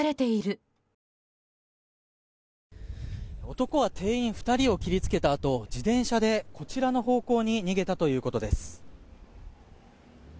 男は店員２人を切りつけたあと自転車でこちらの方向に逃げたということです。